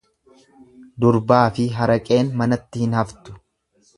Durbaafi haraqeen manatti hin haftu.